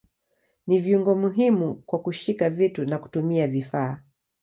Ni viungo muhimu kwa kushika vitu na kutumia vifaa.